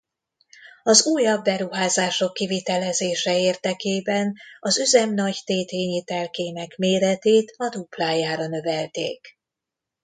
Az újabb beruházások kivitelezése érdekében az üzem nagytétényi telkének méretét a duplájára növelték.